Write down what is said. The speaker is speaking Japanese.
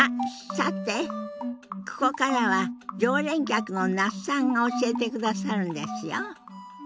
さてここからは常連客の那須さんが教えてくださるんですよ。